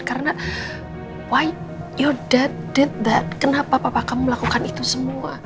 karena kenapa papa kamu melakukan itu semua